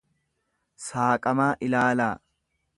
saaqamaa ilaalaa.